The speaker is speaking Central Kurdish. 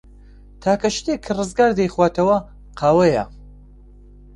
تاکە شتێک کە ڕزگار دەیخواتەوە، قاوەیە.